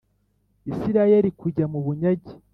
Isirayeli kujya mu bunyage